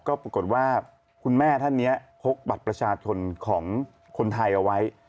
ก็ปรากฏว่าคุณแม่ท่านนี้พกบัตรประชาชนของคนไทยเอาไว้